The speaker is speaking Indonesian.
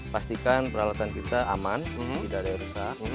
pastikan peralatan kita aman tidak ada yang rusak